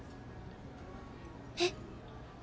えっ？